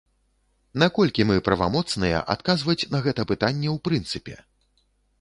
Наколькі мы правамоцныя адказваць на гэта пытанне ў прынцыпе?